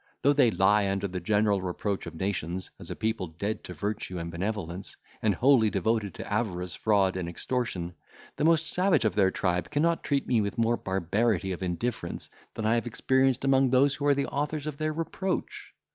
Though they lie under the general reproach of nations, as a people dead to virtue and benevolence, and wholly devoted to avarice, fraud, and extortion, the most savage of their tribe cannot treat me with more barbarity of indifference, than I have experienced among those who are the authors of their reproach."